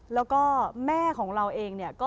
แล้วก็แม่ของเราเอง